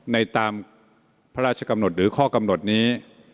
ตามพระราชกำหนดหรือข้อกำหนดนี้